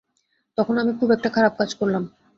তখন আমি খুব একটা খারাপ কাজ করলাম।